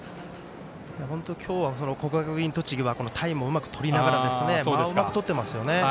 本当に今日は国学院栃木はタイムをうまくとりながら間をうまくとってます。